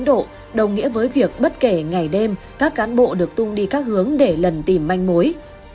đồng nghĩa với việc bất kể ngày đêm các cán bộ được tung đi các hướng để lần tìm manh mối